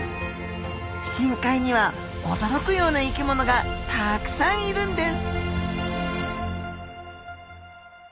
深海には驚くような生きものがたくさんいるんです。